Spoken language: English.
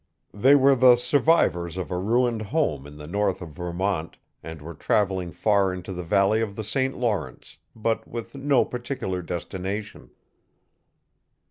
They were the survivors of a ruined home in the north of Vermont, and were travelling far into the valley of the St Lawrence, but with no particular destination.